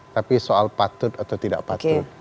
tapi soal patut atau tidak patut